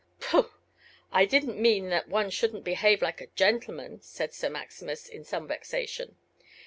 "Pooh! I didn't mean that one shouldn't behave like a gentleman," said Sir Maximus, in some vexation.